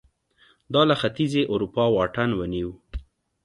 دا له ختیځې اروپا واټن ونیو